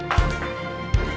jangan lupa untuk mencoba